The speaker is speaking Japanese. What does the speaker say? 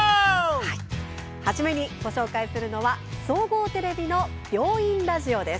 初めに、ご紹介するのは総合テレビの「病院ラジオ」です。